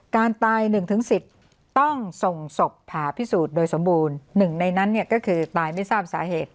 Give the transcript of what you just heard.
การตายหนึ่งถึงสิบต้องส่งศพผ่าพิสูจน์โดยสมบูรณ์หนึ่งในนั้นเนี้ยก็คือตายไม่ทราบสาเหตุ